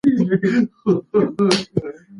د یوه سوکاله او باادبه افغانستان په هیله.